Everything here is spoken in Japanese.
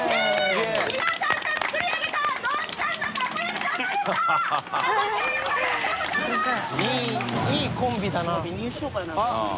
きむ）いいコンビだな。